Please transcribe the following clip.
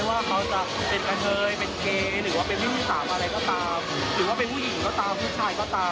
อยากเหยียดเพศเลยไม่ว่าเขาจะเป็นกันเลยเป็นเกย์หรือว่าเป็นผู้สามอะไรก็ตาม